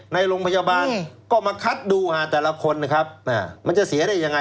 ในโรงพยาบาลก็มาคัดดูแต่ละคนนะครับมันจะเสียได้ยังไง